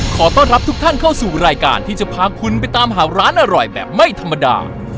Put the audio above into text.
ขอต้อนรับทุกท่านเข้าสู่รายการที่จะพาคุณไปตามหาร้านอร่อยแบบไม่ธรรมดา